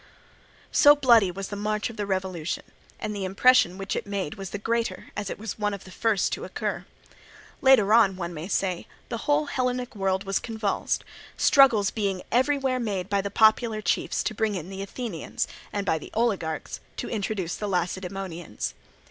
So bloody was the march of the revolution, and the impression which it made was the greater as it was one of the first to occur. Later on, one may say, the whole Hellenic world was convulsed; struggles being every, where made by the popular chiefs to bring in the Athenians, and by the oligarchs to introduce the Lacedaemonians.